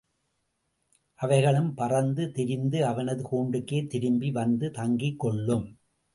அவைகளும் பறந்து திரிந்து, அவனது கூண்டுக்கே திரும்பி வந்து தங்கிக்கொள்ளும்.